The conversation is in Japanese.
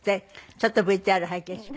ちょっとＶＴＲ拝見します。